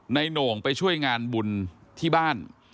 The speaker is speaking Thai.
โหน่งไปช่วยงานบุญที่บ้าน